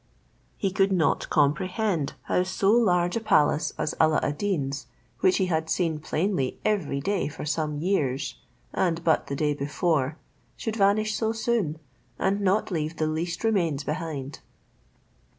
He could not comprehend how so large a palace as Alla ad Deen's, which he had seen plainly every day for some years, and but the day before, should vanish so soon, and not leave the least remains behind.